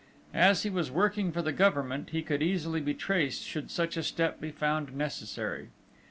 As he was working for the Government, he could easily be traced should such a step be found necessary.